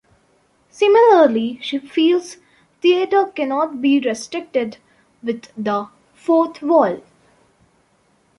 Similarly, she feels theatre cannot be restricted with the "fourth wall".